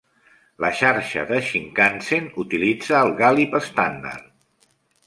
La xarxa de Shinkansen utilitza el gàlib estàndard.